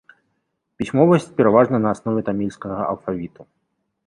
Пісьмовасць пераважна на аснове тамільскага алфавіту.